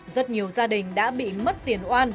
rất nhiều gia đình đã bị mất tiền oan